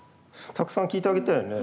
たくさん聞いてあげたよね？